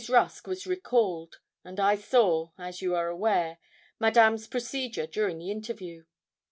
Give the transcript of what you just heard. Rusk was recalled, and I saw, as you are aware, Madame's procedure during the interview.